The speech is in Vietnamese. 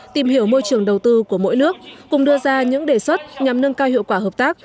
tìm hiểu môi trường đầu tư của mỗi nước cùng đưa ra những đề xuất nhằm nâng cao hiệu quả hợp tác